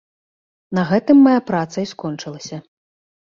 На гэтым мая праца і скончылася.